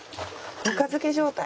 ぬか漬け状態。